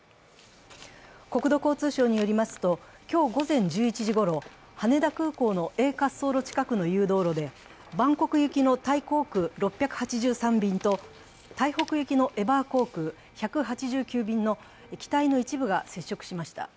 国土交通省によりますと、今日午前１１時ごろ、羽田空港のＡ滑走路近くの誘導路で、バンコク行きのタイ航空６８３便と台北行きのエバー航空１８９便の機体の一部が接触しました。